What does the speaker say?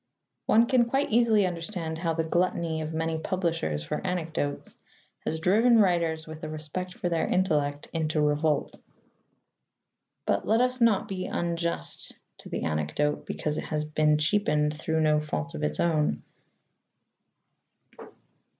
One can quite easily understand how the gluttony of many publishers for anecdotes has driven writers with a respect for their intellect into revolt. But let us not be unjust to the anecdote because it has been cheapened through no fault of its own.